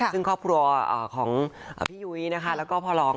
ซึ่งครอบครัวของพี่ยุ้ยนะคะแล้วก็พ่อรอง